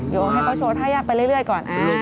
อยู่แล้วให้พ่อโชว์ถ้าอยากไปเรื่อยก่อน